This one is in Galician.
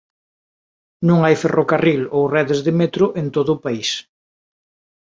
Non hai ferrocarril ou redes de metro en todo o país.